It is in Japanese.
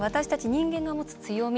人間が持つ強み